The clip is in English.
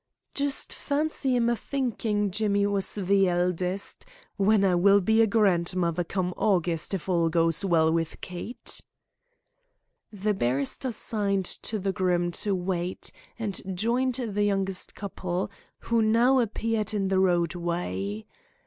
"Just fancy 'im a thinkin' Jimmy was the eldest, when I will be a grandmother come August if all goes well wi' Kate." The barrister signed to the groom to wait, and joined the young couple, who now appeared in the roadway.